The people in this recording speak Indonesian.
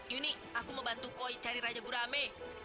yuni aku mau bantu koi cari raja gurame